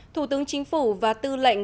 thủ tướng chính phủ và tư lệnh